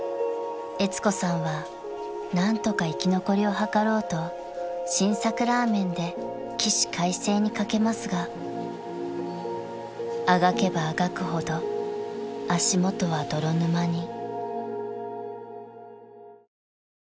［えつ子さんは何とか生き残りを図ろうと新作ラーメンで起死回生にかけますがあがけばあがくほど足元は泥沼に］